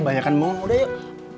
ya banyakkanmu udah yuk